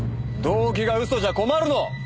動機が嘘じゃ困るの！